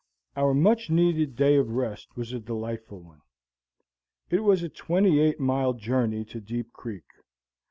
Our much needed day of rest was a delightful one. It was a twenty eight mile journey to Deep Creek.